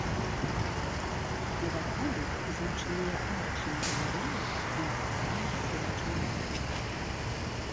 Уваходы злучаныя арачнай галерэяй на так званых кручаных слупах.